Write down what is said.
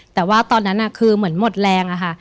แต่ว่าตอนนั้นคือเหมือนหมดแรงอะค่ะ